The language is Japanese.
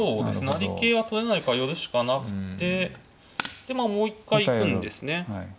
成桂は取れないから寄るしかなくてでまあもう一回行くんですね。